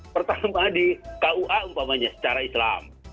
pertama di kua umpamanya secara islam